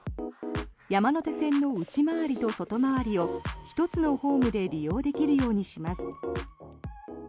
山手線の内回りと外回りを１つのホームで利用できるようにします。